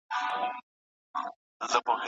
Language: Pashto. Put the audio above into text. داسې احساس